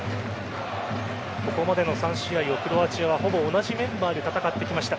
ここまでの３試合をクロアチアはほぼ同じメンバーで戦ってきました。